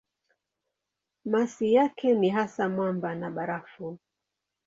Masi yake ni hasa mwamba na barafu.